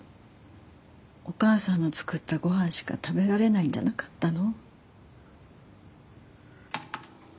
お母さんの作ったご飯しか食べられないんじゃなかったの？